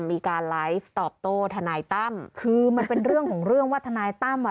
มีการไลฟ์ตอบโต้ทนายตั้มคือมันเป็นเรื่องของเรื่องว่าทนายตั้มอ่ะ